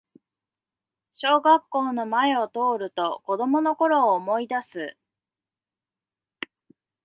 小学校の前を通ると子供のころを思いだす